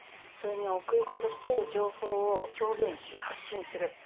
それに送り手として情報を表現し発信する。